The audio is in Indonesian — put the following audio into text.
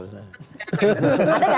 anda gak tau ini